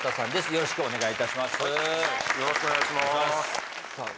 よろしくお願いしまーすさあ